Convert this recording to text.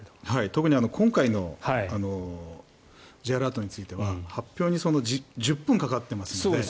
特に今回のＪアラートについては発表に１０分かかっていますので。